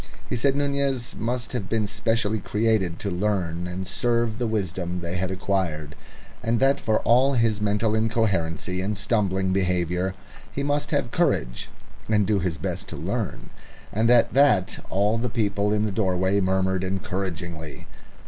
He said Nunez must have been specially created to learn and serve the wisdom, they had acquired, and that for all his mental incoherency and stumbling behaviour he must have courage, and do his best to learn, and at that all the people in the doorway murmured encouragingly.